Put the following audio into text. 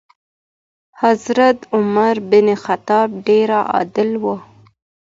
حضرت عمر بن خطاب ډېر عادل و.